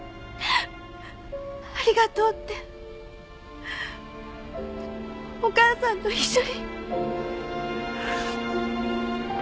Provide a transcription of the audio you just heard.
ありがとうってお母さんと一緒に。